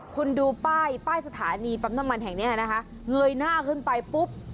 คุณดูป้ายป้ายสถานีปั๊มน้ำมันแห่งเนี้ยนะคะเลยหน้าขึ้นไปปุ๊บ